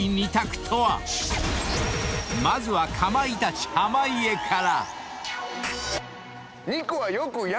［まずはかまいたち濱家から］